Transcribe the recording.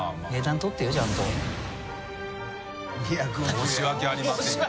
「申し訳ありませんが」